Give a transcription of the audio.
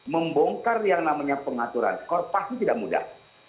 membongkar yang namanya pengaturan skor pasti tidak mudah